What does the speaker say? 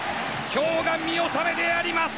今日が見納めであります。